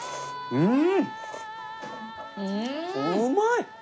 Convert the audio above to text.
うん！